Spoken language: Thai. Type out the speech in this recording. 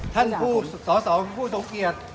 ท่านผู้สออสอบผู้ถูกกลีด